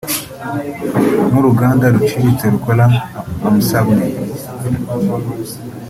nk’uruganda ruciritse rukora amsabune